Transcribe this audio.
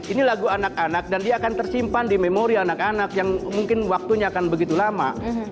ini lagu anak anak dan dia akan tersimpan di memori anak anak yang mungkin waktunya akan begitu lama